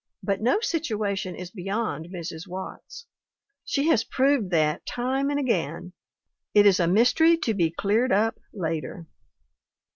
But no situation is beyond Mrs. Watts; she has proved that time and again. It is a mystery to be cleared up later.